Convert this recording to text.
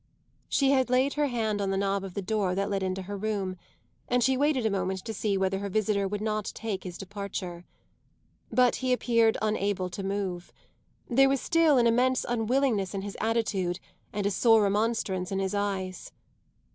She had laid her hand on the knob of the door that led into her room, and she waited a moment to see whether her visitor would not take his departure. But he appeared unable to move; there was still an immense unwillingness in his attitude and a sore remonstrance in his eyes.